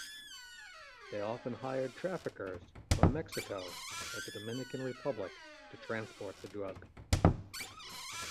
They often hire traffickers from Mexico or the Dominican Republic to transport the drug.